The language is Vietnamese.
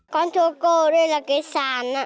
con thưa cô đây là cái sàn ạ